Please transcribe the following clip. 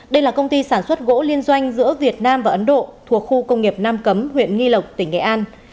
đây là công ty sản xuất gỗ liên doanh giữa việt nam và ấn độ thuộc khu công nghiệp nam cấm huyện nghi lộc tỉnh nghệ an